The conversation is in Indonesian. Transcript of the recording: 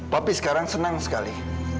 papi sekarang senang sekali